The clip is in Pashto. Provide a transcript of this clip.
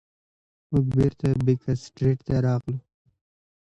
موږ بیرته بیکر سټریټ ته راغلو.